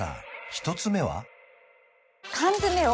１つ目は？